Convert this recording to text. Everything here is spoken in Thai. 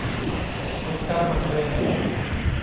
หมดกรรมหมดเวร